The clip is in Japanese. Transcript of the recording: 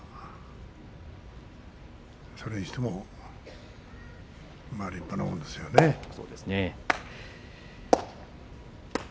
それにしてもまあ、立派なもんですよね。